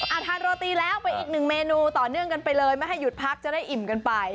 เอาทานโรตีแล้วไปอีกหนึ่งเมนูต่อเนื่องกันไปเลยไม่ให้หยุดพักจะได้อิ่มกันไป